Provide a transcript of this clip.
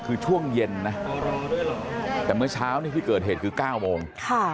คือช่วงเย็นนะแต่เมื่อเช้านี่ที่เกิดเหตุคือ๙โมง